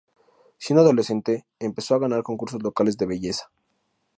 Siendo adolescente empezó a ganar concursos locales de belleza.